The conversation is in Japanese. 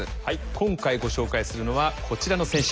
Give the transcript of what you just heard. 今回ご紹介するのはこちらの選手。